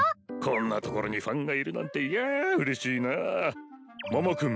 こんなところにファンがいるなんていや嬉しいな桃君